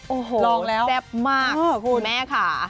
โอ้โหแซ่บมากแม่ค่ะ